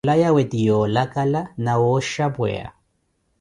Phula yawe ti yoolakala na wooxapeya.